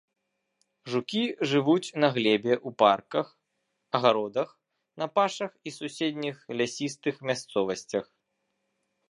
Жукі жывуць на глебе ў парках, агародах, на пашах і суседніх лясістых мясцовасцях.